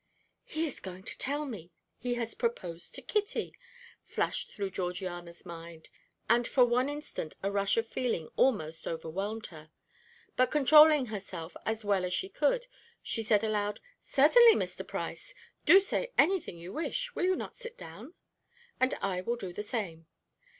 "He is going to tell me he has proposed to Kitty!" flashed through Georgiana's mind, and for one instant a rush of feeling almost overwhelmed her, but controlling herself as well as she could, she said aloud: "Certainly, Mr. Price. Do say anything you wish. Will you not sit down? and I will do the same."